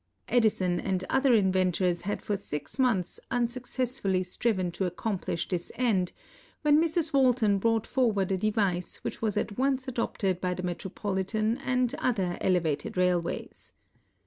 Edison and other inventors had for six months unsuc cessfully striven to accomplish this end, when Mrs. "Walton brought forward a device which was at once adopted by the Metropolitan and other elevated railways.